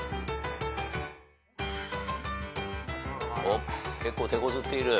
おっ結構てこずっている。